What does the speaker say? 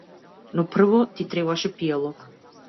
Но прво ти требаше пијалок.